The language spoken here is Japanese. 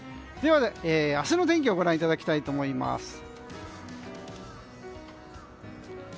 では、明日の天気をご覧いただきたいと思います。